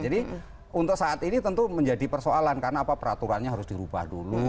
jadi untuk saat ini tentu menjadi persoalan karena apa peraturannya harus dirubah dulu